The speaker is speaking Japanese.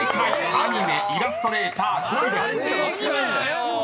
「アニメ・イラストレーター」５位です］